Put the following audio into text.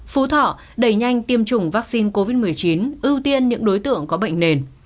phú thọ đẩy nhanh tiêm chủng vaccine covid một mươi chín ưu tiên những đối tượng có bệnh nền